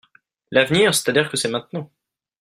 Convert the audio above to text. L’avenir, c’est-à-dire que c’est maintenant